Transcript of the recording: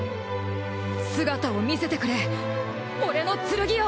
姿を見せてくれ俺の剣よ！